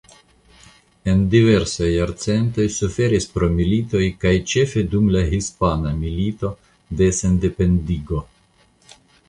En diversaj jarcentoj suferis pro militoj kaj ĉefe dum la Hispana Milito de Sendependigo.